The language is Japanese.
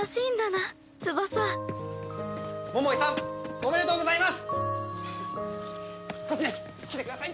おめでとうございます！